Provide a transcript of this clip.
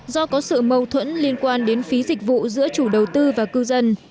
do có sự mâu thuẫn liên quan đến phí dịch vụ giữa chủ đầu tư và cư dân